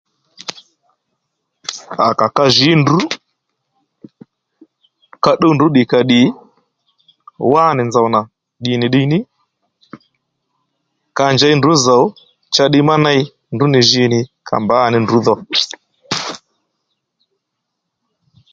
À kà ka jǐ ndrǔ ka tdúw ndrǔ ddìkàddì wánì nzòw nà ddìnì ddiy ní ka njěy ndrǔ zòw cha ddiy má ney ndrǔ nì jǐ nì ka mbǎ ní ndrǔ dho